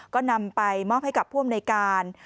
ก็นำไปมอบให้กับผู้อำนวยการ